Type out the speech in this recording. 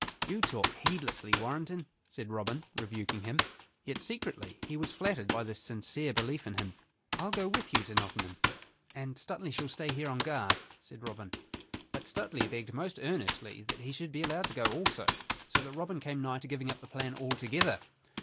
"You talk heedlessly, Warrenton," said Robin, rebuking him. Yet secretly he was flattered by this sincere belief in him. "I'll go with you to Nottingham and Stuteley shall stay here, on guard," said Robin. But Stuteley begged most earnestly that he should be allowed to go also, so that Robin came nigh to giving up the plan all together.